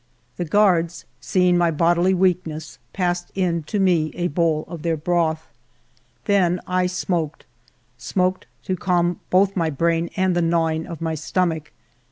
The guards, seeing my bod ily weakness, passed in to me a bowl of their broth. Then I smoked, — smoked to calm both my brain and the gnawing of my stomach.